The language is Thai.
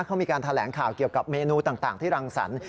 เขามีการแถลงข่าวเกี่ยวกับเมนูต่างที่รังสรรค์